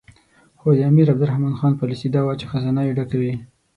خو د امیر عبدالرحمن خان پالیسي دا وه چې خزانه یې ډکه وي.